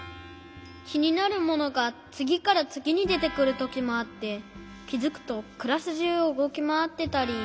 きになるものがつぎからつぎにでてくるときもあってきづくとクラスじゅうをうごきまわってたり。